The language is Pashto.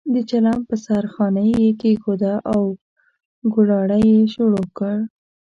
د چلم په سر خانۍ یې کېښوده او کوړاړی یې شروع کړ.